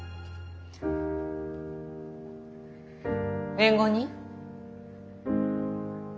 弁護人？